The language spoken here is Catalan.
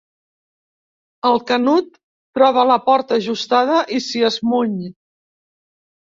El Canut troba la porta ajustada i s'hi esmuny.